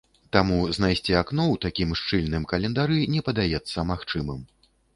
Таму знайсці акно ў такім шчыльным календары не падаецца магчымым.